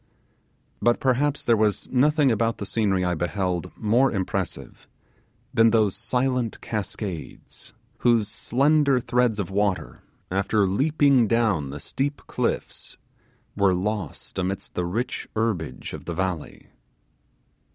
But perhaps there was nothing about the scenery I beheld more impressive than those silent cascades, whose slender threads of water, after leaping down the steep cliffs, were lost amidst the rich herbage of the valley.